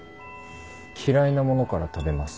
嫌いなものから食べます。